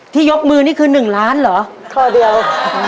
ที่ยกมือนี่คือ๑ล้านบาทเหรอ